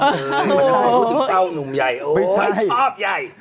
มาจากคนดูเป้านุ่มใหญ่โอ้ชอบใหญ่